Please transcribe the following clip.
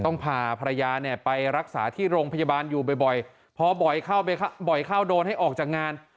พาภรรยาเนี่ยไปรักษาที่โรงพยาบาลอยู่บ่อยพอบ่อยเข้าบ่อยเข้าโดนให้ออกจากงาน